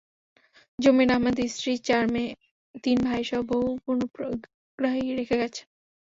জমির আহমেদ স্ত্রী, চার মেয়ে, তিন ভাইসহ বহু গুণগ্রাহী রেখে গেছেন।